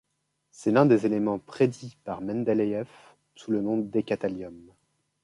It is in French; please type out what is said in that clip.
C'est l'un des éléments prédits par Mendeleïev, sous le nom d’éka-thallium.